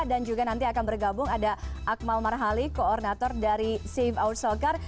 dan juga nanti akan bergabung ada akmal marhali koordinator dari save our soccer